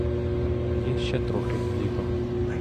Є ще трохи хліба.